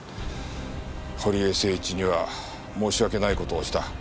堀江誠一には申し訳ない事をした。